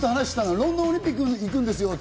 ロンドンオリンピックに行く前なのよ、俺。